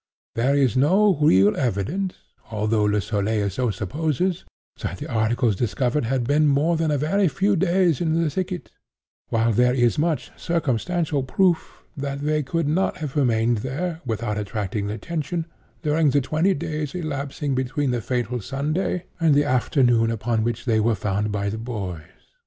There is no real evidence, although Le Soleil so supposes, that the articles discovered had been more than a very few days in the thicket; while there is much circumstantial proof that they could not have remained there, without attracting attention, during the twenty days elapsing between the fatal Sunday and the afternoon upon which they were found by the boys.